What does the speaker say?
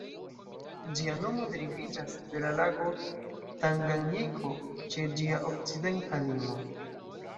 Ĝia nomo deriviĝas de lago Tanganjiko ĉe ĝia okcidenta limo.